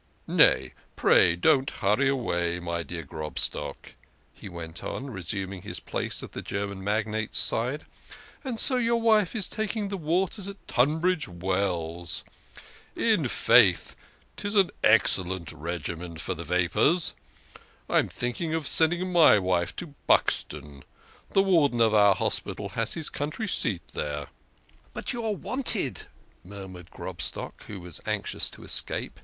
Nay, pray don't hurry away, my dear Grobstock," he went on, resuming his place at the German magnate's side " and so your wife is taking the waters at Tunbridge Wells. In faith, 'tis an excellent regimen for the vapours. I am think ; BECKONED WITH HIS FINGE.R. 112 THE KING OF SCHNORRERS. ing of sending my wife to Buxton the warden of our hos pital has his country seat there." "But you are wanted," murmured Grobstock, who was anxious to escape.